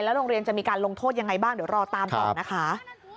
โรงเรียนจะมีการลงโทษยังไงบ้างเดี๋ยวรอตามต่อนะคะ